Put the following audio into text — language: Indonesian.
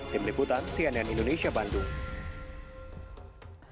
tim liputan cnn indonesia bandung